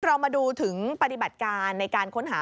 เรามาดูถึงปฏิบัติการในการค้นหา